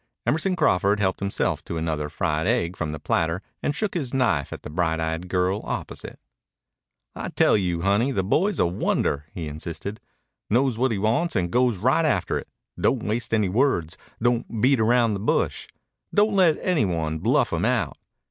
Emerson Crawford helped himself to another fried egg from the platter and shook his knife at the bright eyed girl opposite. "I tell you, honey, the boy's a wonder," he insisted. "Knows what he wants and goes right after it. Don't waste any words. Don't beat around the bush. Don't let any one bluff him out.